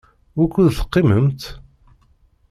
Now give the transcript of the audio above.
Wukud teqqimemt?